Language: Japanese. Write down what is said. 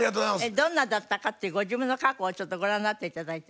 どんなだったかってご自分の過去をちょっとご覧になって頂いて。